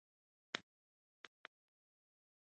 خېټور وويل اخ ولې موږ پوه نه شو.